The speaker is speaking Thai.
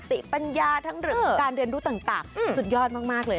ติปัญญาทั้งเรื่องการเรียนรู้ต่างสุดยอดมากเลย